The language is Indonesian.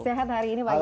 sehat hari ini pak gai